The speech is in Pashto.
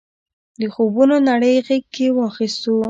د خوبونو نړۍ غېږ کې واخیستو.